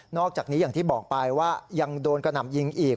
อกจากนี้อย่างที่บอกไปว่ายังโดนกระหน่ำยิงอีก